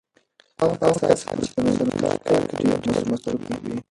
هغه کسان چې په رسنیو کې کار کوي ډېر مصروف وي.